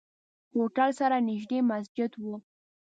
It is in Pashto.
هوټل سره نزدې مسجد وو.